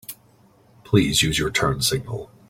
Please use your turn signal.